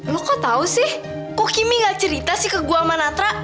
lo kok tau sih kok kimi nggak cerita sih ke gue sama natra